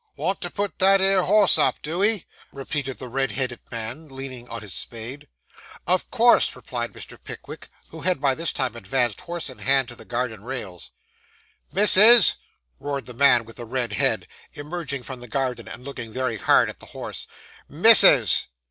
Want to put that ere horse up, do ee?' repeated the red headed man, leaning on his spade. 'Of course,' replied Mr. Pickwick, who had by this time advanced, horse in hand, to the garden rails. 'Missus' roared the man with the red head, emerging from the garden, and looking very hard at the horse 'missus!